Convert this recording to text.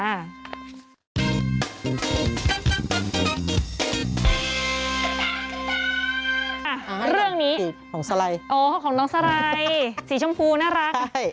อ่ะเรื่องนี้สีของสไลดอ๋อของน้องสไรสีชมพูน่ารักใช่